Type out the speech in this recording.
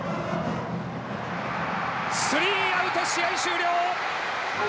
スリーアウト、試合終了。